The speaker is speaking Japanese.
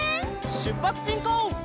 しゅっぱつしんこう！